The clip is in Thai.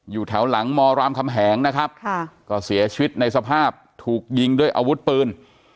อยู่แถวหลังมรามคำแหงนะครับก็เสียชีวิตในสภาพถูกยิงด้วยอาวุธปืน